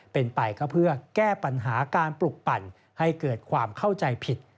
เป็นไปก็เพื่อแก้ปัญหาการปลุกปั่นให้เกิดความเข้าใจผิด